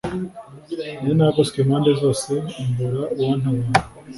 Nari nagoswe impande zose, mbura uwantabara,